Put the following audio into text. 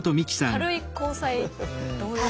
軽い交際どういうこと。